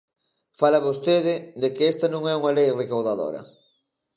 Fala vostede de que esta non é unha lei recaudadora.